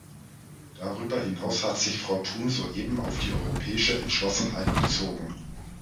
Darüber hinaus hat sich Frau Thun soeben auf diese europäische Entschlossenheit bezogen.